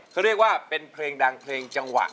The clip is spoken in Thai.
เขาเรียกว่าเป็นเพลงดังเพลงจังหวะ